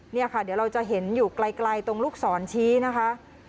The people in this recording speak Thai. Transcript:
เนี่ยค่ะเดี๋ยวเราจะเห็นอยู่ไกลตรงลูกศรชี้นะคะ